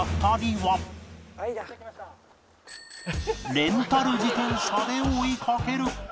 レンタル自転車で追いかける